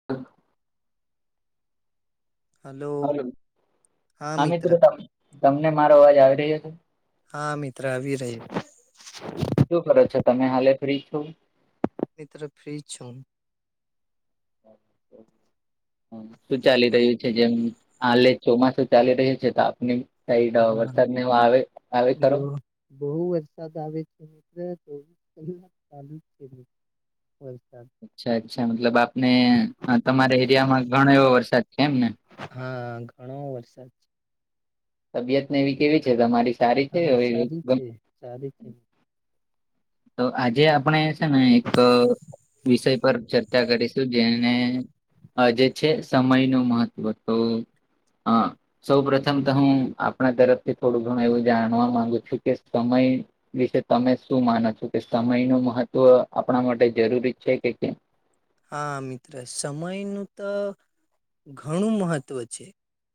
[inaudible] Hello. હા મિત્રો તમ તમને મારો અવાજ આવી રહ્યો છે. હા, મિત્ર આવી રહ્યો શું કરો છો તમે, હાલે ફ્રી છો? એત્રે ફ્રી જ છું હું. શું ચાલી રહ્યું છે, જેમ હાલે ચોમાસું ચાલી રહ્યો છે, તો આપને [unintelligible] હા વરસાદ ને એવું આવે-આવે બો ખરો? બહુ વરસાદ આવે છે મિત્ર. [inaudible] વરસાદ. અચ્છા-અચ્છા, મતલબ આપને, તમારા એરિયામાં ઘણો એવો વરસાદ છે એમ ને? હા ઘણો વરસાદ છે. તબિયત ને એવી કેવી છે, તમારી સારી છે હા હવે? સારી ગમ છે સારી છે. તો આજે આપણે છે ને એક વિષય પર ચર્ચા કરીશું. જેને અહ જે છે સમય નું મહત્વ તો, હા. સૌ પ્રથમ તો હું આપણા તરફથી થોડું ઘણું એવું જાણવા માંગુ છું કે સમય વિશે તમે શું માનો છો, કે સમય નું મહત્વ આપણા માટે જરૂરી છે કે કેમ? હા મિત્ર. સમય નું તો ઘણું મહત્ત્વ છે.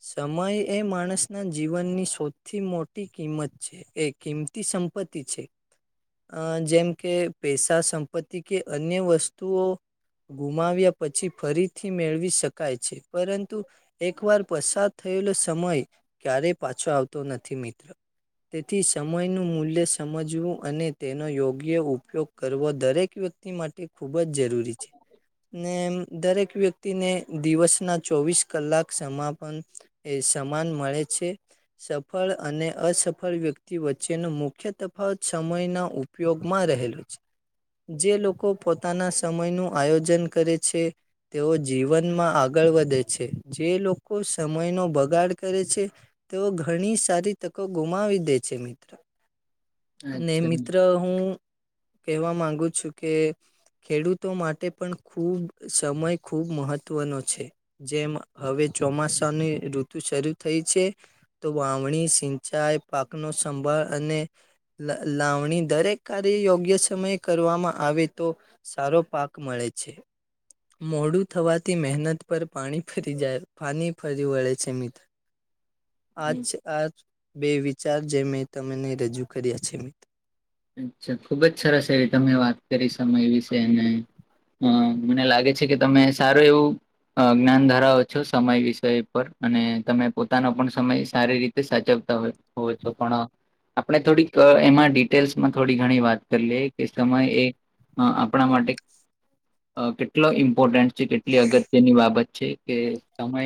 સમય એ માણસના જીવનની સૌથી મોટી કિંમત છે. એ કિંમતી સંપત્તિ છે. અહ જેમ કે પૈસા, સંપત્તિ, કે અન્ય વસ્તુઓ ગુમાવ્યા પછી ફરીથી મેળવી શકાય છે, પરંતુ એક વાર પસાર થયેલો સમય ક્યારેય પાછો આવતો નથી મિત્ર. તેથી સમયનું મૂલ્ય સમજવું, અને તેનો યોગ્ય ઉપયોગ કરવો દરેક વ્યક્તિ માટે ખૂબ જ જરૂરી છે. ને એમ દરેક વ્યક્તિને દિવસના ચોવીસ કલાક સમાપન એ સમાન મળે છે. સફળ અને અસફળ વ્યક્તિ વચ્ચેનો મુખ્ય તફાવત સમયનો ઉ પયોગમાં રહેલું છે. જે લોકો પોતાના સમયનું આયોજન કરે છે તેઓ જીવનમાં આગળ વધે છે, જે લોકો સમયનો બગાડ કરે છે તેઓ ઘણી સારી તકો ગુમાવી દે છે મિત્ર. [inaudible] ને અચ્છા મિત્ર હમ, હું કહેવા માંગુ છું, કે ખેડૂતો માટ ટે પણ ખૂબ સમય ખૂબ મહત્ત્વનો છે. જેમ હવે ચોમાસાની ઋતુ શરૂ થઈ છે તો વાવણી, સિંચાઈ, પાકનો સંભાળ, અને લ લાવણી દરેક કાર્ય યોગ્ય સમયે કરવામાં આવે તો સારો પાક મળે છે. મોડું થવાથી મહેનત પર પાણી ફરી જાય, પાણી ફરી વળે છે, મિત્ર. આ છ આ જ બે વિચાર જે મેં તમને રજૂ કર્યા છે, મિત્ર. અચ્છા, ખુબ જ સરસ એવી તમે વાત કરી સમય વિશે, અને અહ મને લાગે છે, કે તમે સારું એવું અ જ્ઞાન ધરાવો છો સમય વિષય પર અને તમે પોતાનો પણ સમય સારી રીતે સાચવતા હોય. હોય છો પણ આપણે થોડીક અહ એમાં ડીપ ટેલ્સમાં થોડી ઘણી વાત કરી લઈએ કે સમય એ અહ આપણા માટે અહ કેટલો ઇમ્પોર્ટન્ટ છે, કેટલી અગત્યની બાબત છે, કે સમય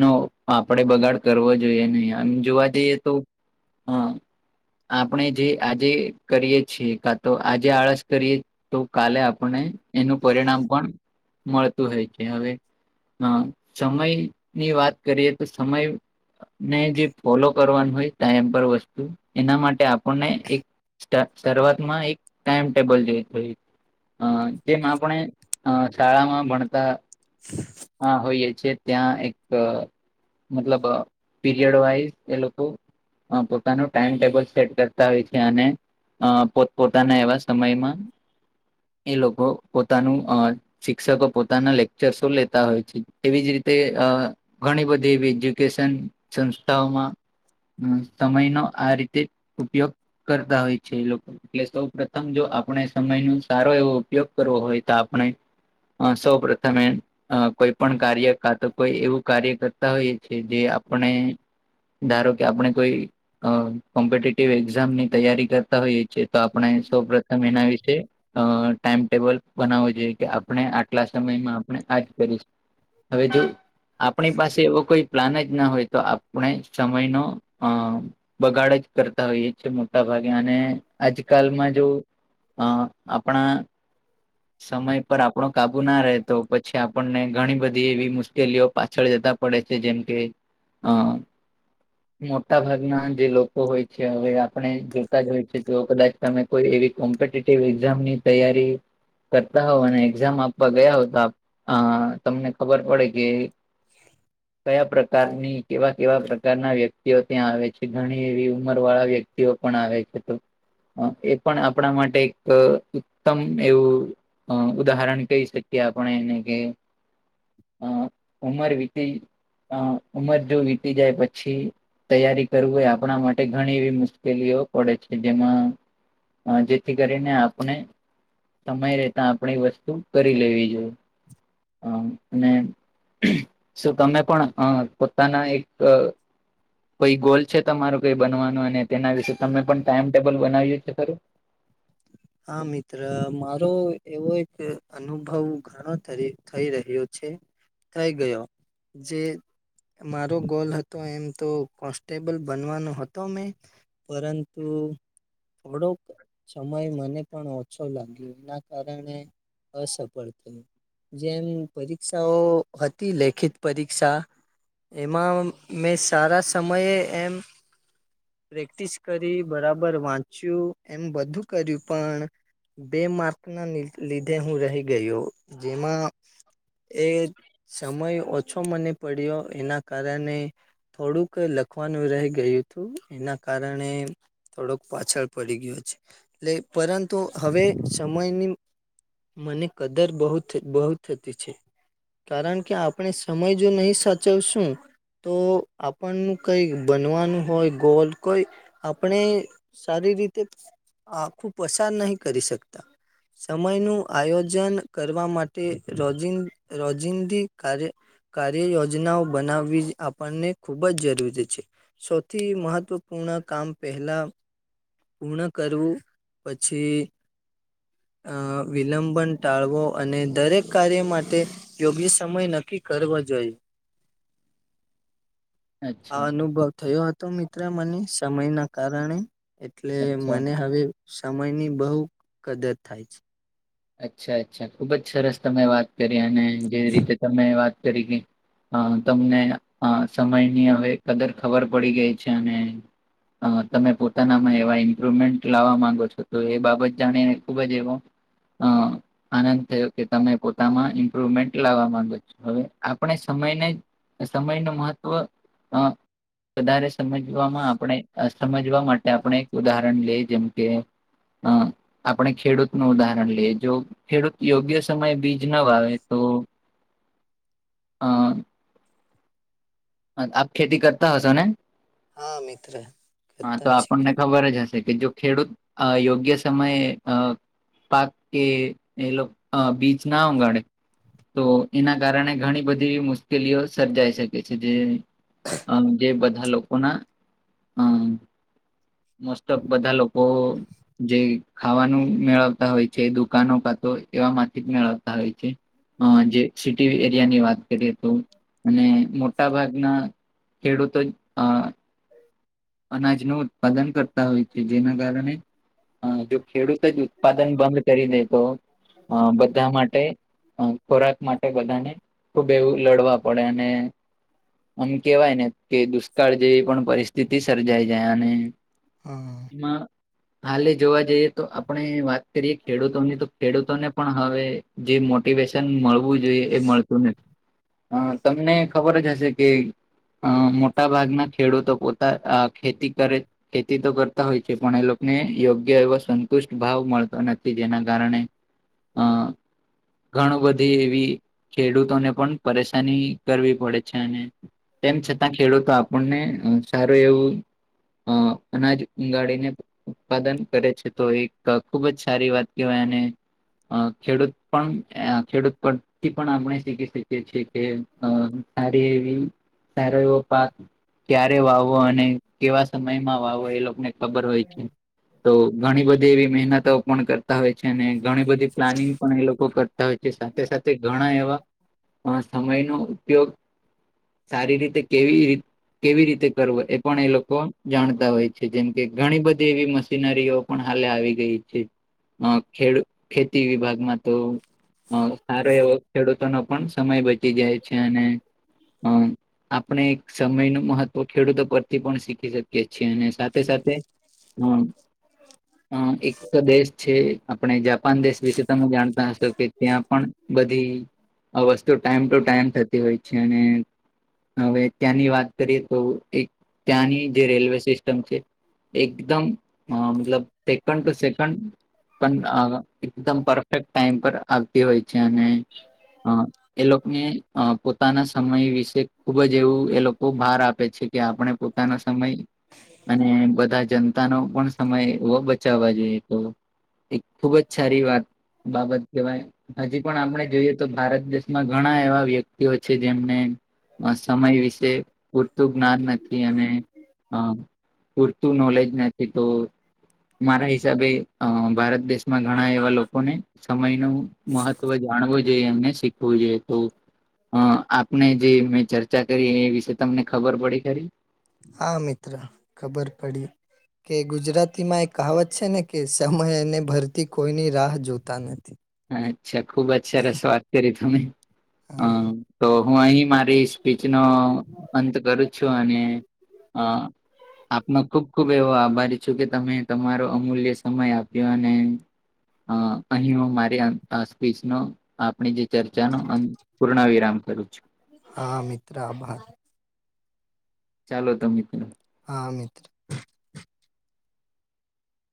નો આપડે બગાડ કરવો જોઈએ નહીં. આમ જોવા જઈએ તો હમ આપણે જે આજે કરીએ છીએ કા તો આજે આળસ કરીએ તો કાલે આપને એનું પરિણામ પણ મળતું હોય છે, હવે હ સમયની વાત કરીએ તો સમય ને જે ફોલો કરવાનું હોય ટાઈમ પર વસ્તુ એના માટે આપણને એક શરૂઆતમાં એક ટાઈમટેબલ [unintelligible] અ તેમ આપણે અ શાળામાં ભણતા આ હોઈએ છે. ત્યાં એક મતલબ પીરિયડ વાઈઝ એ લોકો પોતાનું ટાઈમ ટેબલ સેટ કરતા હોય છે. અને અ પોત પોતાના એવા સમયમાં એ લોકો પોતાનું અ શિક્ષકો પોતાના લેક્ચર્સો લેતા હોય છે, એવી જ રીતે અ ઘણી બધી એવી એજ્યુકેશન સંસ્થાઓમાં હમ સમયનો આ રીતે ઉપયોગ કરતા હોય છે, એ લોકો એટલે સૌ પ્રથમ જો આપણે સમય ન સારો એવો ઉપયોગ કરવો હોય તો આપણે હા સૌ પ્રથમ મે અ કોઈ પણ કાર્ય કા તો કોઈ એવું કાર્ય કરતા હોઈએ છે, જે આપણે ધારો કે આપણે કોઈ કોમ્પિટિવ એ એઝામ ની તૈયારી કરતા હોઈએ છીએ તો આપણે સૌ પ્રથમ એના વિશે અ ટાઈમટેબલ બનાવવો જોઈએ કે આપણે આટલા સમયમાં આપણે આજ કરીશુ. હવે તો આપણી પાસે એવો કોઈ પ્લાન જ ના હોય તો આપણે સમયનો અ બગાડ જ કરતા હોઈએ. મોટા ભાગે અને આજકાલમાં જો અ આપણા સમય પર આપણો કાબુ ના રહેેતો પછી આપણને ઘણી બધી એવી મુશ્કેલીઓ પાછળ જતા પડે છે, જેમ કે અ મોટા ભાગના જે લોકો હોય છે, હવે આ પણે જોતા જ હોય છે, તો કદાચ તમે કોઈ એવી કોમ્પિટેટિવ એક્ઝામની તૈયારી કરતા હોવ અને એક્ઝામ આપવા ગયા હો તો અ તમને ખબર પડે કે [unintelligible] પ્રકારની કેવા કેવા પ્રકારના વ્યક્તિઓ ત્યાં આવે છે, ઘણી એવી ઉંમર વાળા વ્ય ક્તિઓ પણ આવે છે, એ પણ આપણા માટે એક ઉત્તમ એવું અ ઉદાહરણ કહી શકીએ આપણે એને કે હ ઉમર વિતી અ ઉમર જો વીતી જાય પછી તૈયારી કરવીું હોય આપણા માટે ઘણી એવી મુશ મુકેલીઓ પડે છે જેમાં જેથી કરીને આપણે સમય રેતા આપણે વસ્તુ કરી લેવી જોઈએ. [unintelligible] અ અને શું તમે પણ પોતાના એક કઈ ગોલ છે તમારું કઈ બનવાનું અને તેના વિશે તમે પણ ટાઈમટેબલ બનાવ્યું છે ખરું? હા મિત્ર મારો એવો એક અનુભવ ઘણો થઈ રહ્યો છે. થઈ ગયો જે મારો ગોલ હતો એમ તો કોન્સ્ટેબલ બનવાનો હતો મેં પરંતુ થોડોક સમય મને પણ ઓછો લાગ્યો એના કારણે અસફળ થયું. જેમ પરીક્ષાઓ હતી લેખિત પરીક્ષા એમાં મેં સારા સમયે એમ પ્રેક્ટિસ કરી બરાબર વાંચ્યું એમ બધું કર્યું. પણ બે માર્ક ના લીધે હું રહી ગયો. જેમાં એ સમય ઓછો મને પડ્યો એના કારણે થોડુંક લખવાનું રહી ગયું હતું એના કારણે થોડોક પાછળ પડી ગયો છે એટલે પરંતુ હવે સમયની મને કદર બહુ બહુ થતી છે. કારણ કે આપણે સમય જો નહી સાચવશું તો આપણનું કઈ બનવાનું હોય ગોલ કોઈ આપણે સારી રીતે આખું પસાર નહી કરી શકતા. સમય નું આયોજન કરવા માટે રોજ રોજિંદી કાર્ય કાર્ય યોજનાઓ બનાવવી આપણને ખૂબ જ જરૂરી છે. સૌથી મહત્વપૂર્ણ કામ પહેલા પૂર્ણ કરવું પછી અ વિલંબન ટાળવો અને દરેક કાર્ય માટે યોગ્ય સમય નક્કી કરવો જોઈએ. આ અચ્છા અનુભવ થયો હતો મિત્ર મને સમય ના કારણે એટલે અચ્છા મને હવે સમય ની બહું કદર થાય છે. અચ્છા અચ્છા ખુબ જ સરસ તમે વાત કરી અને જે રીતે તમે વાત કરી કે હ તમને સમયની હવે કદર ખબર પડી ગઈ છે અને અ તમે પોતાનામાં એવા ઇમ્પ્રુવમેન્ટ લાવવા માંગો છો તો એ બાબત જાણીને ખુબ જ એવો હા. આનંદ થયો કે તમે પોતામાં ઇમ્પ્રુવમેન્ટ લાવવા માંગો છો હવે આપણે સમયને સમયનો મહત્વ અ વધારે સમજવામાં આપણે સમજવા માટે આપણે એક ઉદાહરણ લઈએ જેમ કે હ આપણે ખેડૂત નું ઉદાહરણ લેએ જો ખેડૂત યોગ્ય સમયે બીજ ના વાવે તો હા. આપ ખેતી કરતા હોસોને? હા મિત્ર હા તો કરતા શીખ આપણને ખબર જ હશે કે જો ખેડૂત અ યોગ્ય સમયે અ પાક કે એ લોકો બીજ ના ઉગાડે તો એના કારણે ઘણી બધી મુશ્કેલીઓ સર્જાઈ શકે છે. જે બંધા લોકોના મોસ્ટ ઓફ બધા લોકો જે ખાવાનું મેળવતા હોય છે દુકાનો કાતો એવા માંથી જ મેળવતા હોય છે. અ જે સિટી એરિયાની વાત કરીએ તો અને મોટા ભાગના ખેડુતો અ અનાજનું ઉત્પાદન કરતા હોય છે, જેના કારણે ખેડૂત જ ઉત્પાદન બંધ કરી દેતો આ બધા માટે ખોરાક માટે બધાને ખુબ એવું લડવા પડે અને આમ કેવાય ને કે દુષ્કાળ જેવી પણ પરિસ્થિ તી સર્જાય જાય અને હમ એમાં હાલે જોવા જઈએ તો આપણે વાત કરીએ ખેડૂતોની તો ખેડૂતોને પણ હવે જે મોટિવેશન મળવું જોઈએ એ મળતું નથી. અ તમને ખબર જ હશે કે અ મોટા ભાગના ખેડૂતો પો [unintelligible] અ ખેતી કરે ખેતી તો કરતા હોય છે, પણ એ લોકોને યોગ્ય એવો સંતુષ્ટ ભાવ મળતો નથી જેના કારણે હા. ઘણું બધી એવી ખેડૂતોને પણ પરેશાની કરવી પડે છે, અને તેમ છતાં ખેડૂતો આપણને સારું એવું અ અનાજ ઉગાડીને ઉત્પાદન કરે છે, તો એક ખુબ જ સારી વાત કહેવાય એને. અ ખેડૂત પણ અ ખેડૂત પરથી પણ આપણે શીખી શકીએ છીએ કે, અ સારી એવી સારો એવો પાક કરે વાવો અને કેવા સમયમાં વાવો એ લોકને ખબર હોય છે. તો ઘણી બધી એવી મહેનતો પણ કરતા હોય છે, અને ઘણી બધી પ્લાનિંગ પણ એ લોકો કર તા હોય, તે સાથે સાથે ઘણા એવા સમયનો ઉપયોગ સારી રીતે કેવી રી કેવી રીત તે કરવો એ પણ એ લોકો જાણતા હોય છે, જેમ કે ઘણી બધી એવી મશીનરીઓ પણ હાલે આવી ગઈ છે, અ ખેડ ખેતી વિભાગમાં તો મારો સારો એવો ખેડૂતોનો પણ સમય બચી જાય છે, અને અ આપણે એક સમયનુ મહ તવ ખેડૂતો પરથી પણ શીખી શકીએ છીએ અને સાથે સાથે અ અ એક તો દેશ છે, આપણે જાપાન દેશ વિશે તમે જાણતા હસ તો કે ત્યાં પણ બધી આ વસ્તુ ટાઈમ ટુ ટાઈમ થતી હોય છે, અને હવે ત્યાંની વાત કરીએ તો એક ત્યાંની જે રેલવે સિસ્ટમ છે એકદમ મતલબ સેકન્ડ ટુ સેકન્ડ પણ અ એકદમ પરફેક્ટ ટાઈમ પર આવતી હોય છે અને અ એ લોકોને અ પોતાના સમય વિશે ખુબ જ એવું એ લોકો ભાર આપ આપે છે, કે આપણે પોતાના સમય અને બધા જન તાનો પણ સમય એવો બચાવવા જોઈએ તો એક ખુબ જ સારી વાત બાબત કેહવાય. હજી પણ આપણે જોઈએ તો ભારત દેશમાં ઘણા એવા વ્યક્તિઓ છે, જેમને સમય વિશે પૂરતું જ્ઞા ન નથી અને પુરતું નોલેજ નથી તો મારા હિસાબે ભારત દેશમાં ઘણા એવા લોકોને સમયનું મહત્વ જાણવું જોઈએ. એમને શીખવું જોઈએ તો અ આપને જે મેં ચર્ચા કરી એ વિશે તમને ખબર પડી ખરી? હા મિત્ર, ખબર પડી. કે ગુજરાતીમાં એ કહાવત છેને કે, સમય અને ભરતી કોઈની રાહ જોતા નથી. અચ્છા, ખુબ જ સરસ વાત કરી તમે. અ હા. તો હું અહી મારી સ્પીચનો અંત કરું છું, અને અ આપના ખુબ ખુબ એવો આભારી છું, કે તમે તમારો અમૂલ્ય સમય આપ્યો અને અ અહી માર આ સ્પીચ નો આપણી જે ચર્ચાનો પૂર્ણ વિરામ કરું છું. હા મિત્ર. આભાર. ચાલો તો મિત્ર. હા મિત્ર.